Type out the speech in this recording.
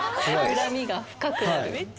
恨みが深くなる。